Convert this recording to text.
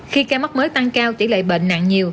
khi ca mắc mới tăng cao tỷ lệ bệnh nặng nhiều